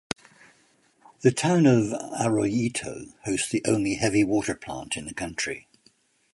The town of Arroyito hosts the only heavy water plant in the country.